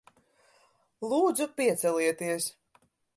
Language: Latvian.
Lūdzu, piecelieties.